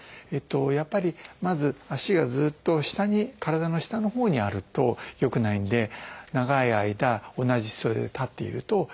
やっぱりまず足がずっと下に体の下のほうにあるとよくないんで長い間同じ姿勢で立っているとよくない。